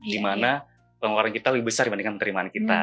di mana pengeluaran kita lebih besar dibandingkan penerimaan kita